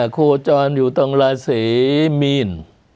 โคจรอยู่ตรงราศีมีน